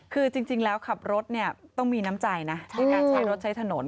คือจริงแล้วขับรถเนี่ยต้องมีน้ำใจนะในการใช้รถใช้ถนน